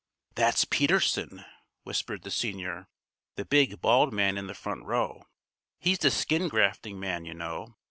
"That's Peterson," whispered the senior, "the big, bald man in the front row. He's the skin grafting man, you know.